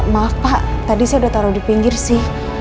maaf pak tadi saya sudah taruh di pinggir sih